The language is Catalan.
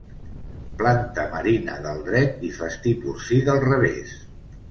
Planta marina del dret i festí porcí del revés.